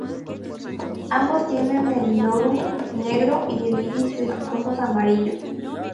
Ambos tienen el lorum negro y el iris de sus ojos amarillo.